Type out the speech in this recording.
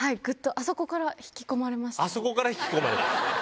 あそこから引き込まれた？